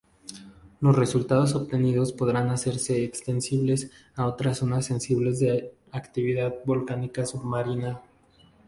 Los resultados obtenidos podrán hacerse extensibles a otras zonas sensibles de actividad volcánica submarina.